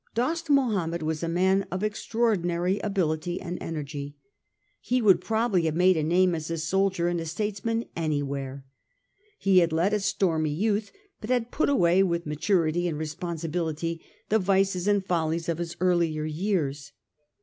Dost Mahomed was a man of extraordinary ability and energy. He would probably have made a name as a soldier and a states man anywhere. He had led a stormy youth, but had put away with maturity and responsibility the vices and follies of his earlier years.